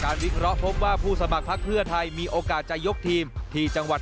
วิเคราะห์พบว่าผู้สมัครพักเพื่อไทยมีโอกาสจะยกทีมที่จังหวัด